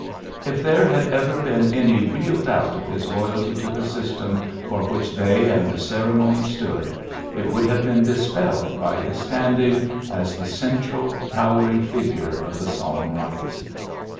If there had ever been any real doubt of his loyalty to the system for which they and the ceremony stood, it would have been dispelled by his standing as the central towering figure of the solemn rites.